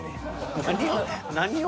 何を。